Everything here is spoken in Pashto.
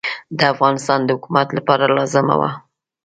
د افغانستان د حکومت لپاره لازمه وه.